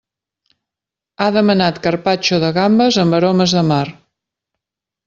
Ha demanat carpaccio de gambes amb aromes de mar.